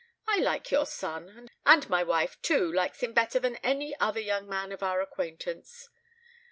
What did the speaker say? I like your son; and my wife, too, likes him better than any other young man of our acquaintance.